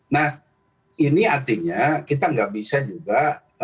nah ini artinya kita nggak bisa juga